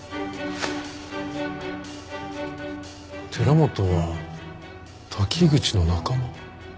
寺本は滝口の仲間。